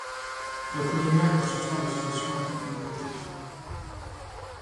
La Poudrière est constituée en association à but non lucratif.